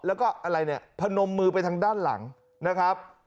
แล้วก็อะไรเนี่ยพนมมือไปทางด้านหลังนะครับ